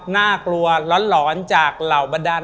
น่ากลัวร้อนจากเหล่าบรรดาล